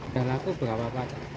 dan laku berapa patok